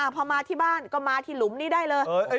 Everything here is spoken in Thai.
พอมาที่บ้านก็มาที่หลุมนี้ได้เลย